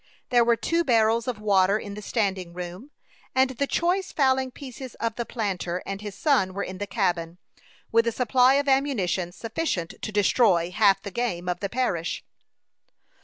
There were two barrels of water in the standing room, and the choice fowling pieces of the planter and his son were in the cabin, with a supply of ammunition sufficient to destroy half the game of the parish.